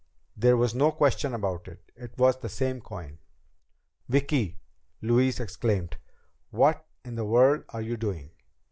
There was no question about it. It was the same coin! "Vicki," Louise exclaimed, "what in the world are you doing?"